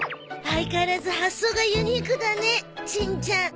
相変わらず発想がユニークだねしんちゃん。